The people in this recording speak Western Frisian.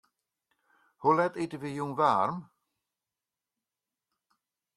Hoe let ite wy jûn waarm?